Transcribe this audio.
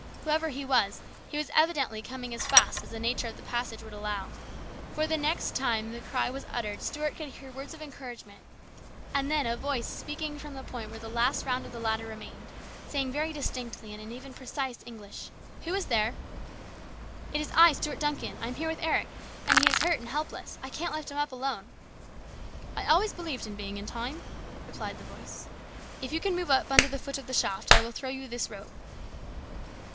Whoever he was, he was 70 HIS BROTHER'S KEEPER. evidently coming as fast as the nature of the passage would allow ; for the next time the cry was uttered Stuart could hear words of encouragement and then a voice speaking from the point where the last round of the ladder remained, saying very distinctly and in even precise English, " Who is there ?"" It is I, Stuart Duncan. I am here with Eric, and he is hurt and helpless. I can't lift him up alone." " I always believed in being in time," replied the voice. " If you can move up under the foot of the shaft, I will throw you this rope."